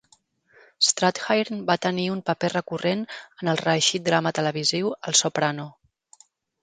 Strathairn va tenir un paper recurrent en el reeixit drama televisiu "Els Soprano".